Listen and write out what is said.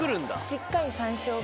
しっかり山椒が。